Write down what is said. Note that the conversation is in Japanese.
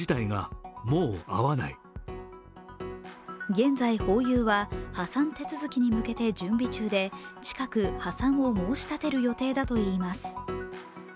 現在、ホーユーは破産手続きに向けて準備中で近く破産を申し立てる予定だといいます。